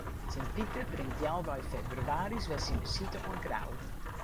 Sint Piter bringt healwei febrewaris wer syn besite oan Grou.